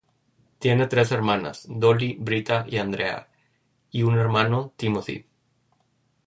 Tiene tres hermanas, Dolly, Britta, y Andrea, y un hermano, Timothy.